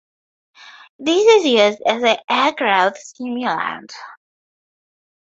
This is used as a hair growth stimulant.